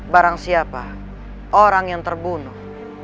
barang siapa orang yang terbunuh